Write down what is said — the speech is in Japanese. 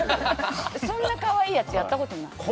そんな可愛いやつやったことない。